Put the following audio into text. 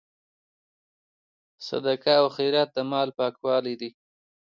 صدقه او خیرات د مال پاکوالی دی.